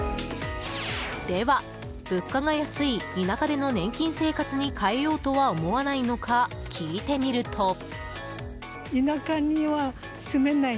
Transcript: では、物価が安い田舎での年金生活に変えようとは思わないのか聞いてみると。